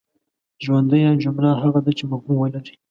ژوندۍ جمله هغه ده چي مفهوم ولري.